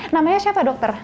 namanya siapa dokter